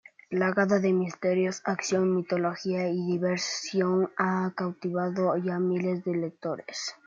Plagada de misterios, acción, mitología y diversión, ha cautivado ya a miles de lectores.